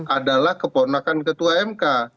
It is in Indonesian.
adalah keponakan ketua mk